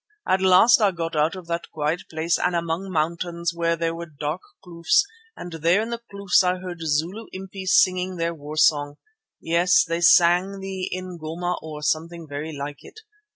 At last I got out of that quiet place and among mountains where there were dark kloofs, and there in the kloofs I heard Zulu impis singing their war song; yes, they sang the ingoma or something very like it.